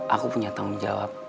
aku punya tanggung jawab